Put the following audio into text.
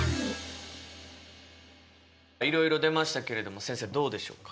いろいろ出ましたけれども先生どうでしょうか。